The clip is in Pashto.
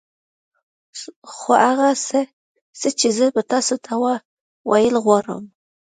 خو هغه څه چې زه يې تاسو ته ويل غواړم.